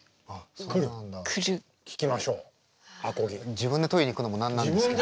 自分で取りに行くのも何なんですけど。